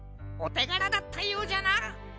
おてがらだったようじゃな。